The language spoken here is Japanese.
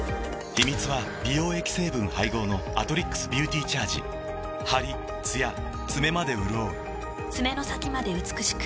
秘密は美容液成分配合の「アトリックスビューティーチャージ」ハリ・つや爪までうるおう爪の先まで美しく。